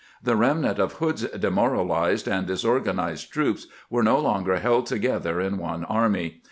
The remnant of Hood's demoralized and disorganized troops were no longer held together in one army.